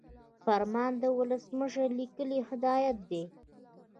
فرمان د ولسمشر لیکلی هدایت دی.